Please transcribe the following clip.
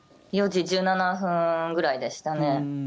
４時１７分ぐらいでしたね。